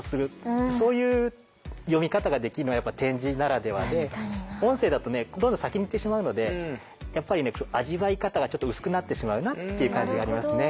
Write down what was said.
そういう読み方ができるのは点字ならではで音声だとねどんどん先に行ってしまうのでやっぱりね味わい方がちょっと薄くなってしまうなっていう感じがありますね。